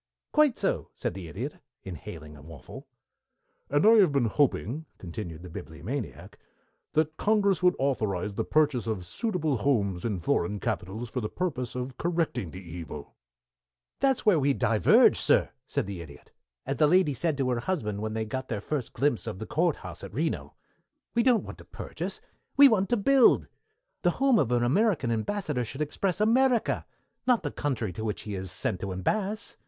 "Quite so," said the Idiot, inhaling a waffle. "And I have been hoping," continued the Bibliomaniac, "that Congress would authorize the purchase of suitable houses in foreign capitals for the purpose of correcting the evil." "That's where we diverge, sir," said the Idiot, "as the lady said to her husband, when they got their first glimpse of the courthouse at Reno. We don't want to purchase. We want to build. The home of an American Ambassador should express America, not the country to which he is sent to Ambass.